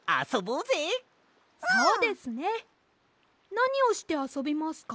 なにをしてあそびますか？